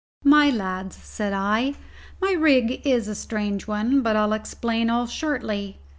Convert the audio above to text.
"My lads," said I, "my rig is a strange one, but I'll explain all shortly.